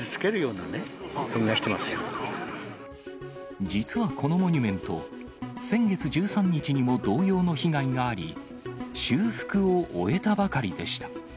私たちの心に傷つけるような実はこのモニュメント、先月１３日にも同様の被害があり、修復を終えたばかりでした。